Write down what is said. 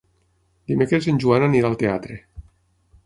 Dimecres en Joan anirà al teatre.